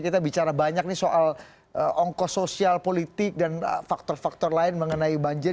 kita bicara banyak nih soal ongkos sosial politik dan faktor faktor lain mengenai banjir